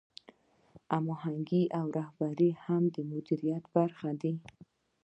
هماهنګي او رهبري هم د مدیریت برخې دي.